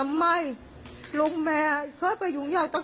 มันมีแม่ด้วยมันมีแม่ด้วย